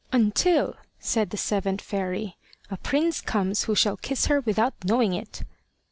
"Until," said the seventh fairy, "a prince comes who shall kiss her without knowing it."